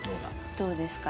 どうですか？